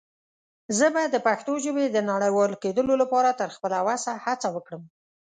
زه به دَ پښتو ژبې د نړيوال کيدلو لپاره تر خپله وسه هڅه وکړم.